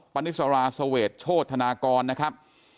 ปณิศราสวรรค์โชธนากรนะครับ